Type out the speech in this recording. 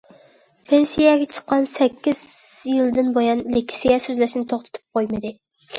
پېنسىيەگە چىققان سەككىز يىلدىن بۇيان، لېكسىيە سۆزلەشنى توختىتىپ قويمىدى.